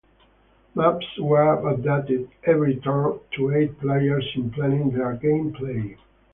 Maps were updated every turn to aid players in planning their gameplay.